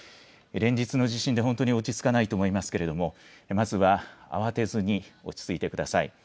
連日の地震で本当に落ち着かないと思いますけれども、まずは慌てずに落ち着いてください。